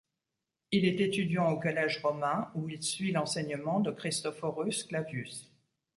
Il est étudiant au Collège romain où il suit l'enseignement de Christophorus Clavius.